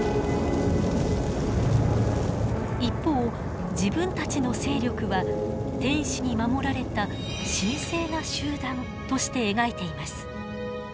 一方自分たちの勢力は天使に守られた神聖な集団として描いています。